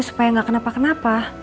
supaya gak kenapa kenapa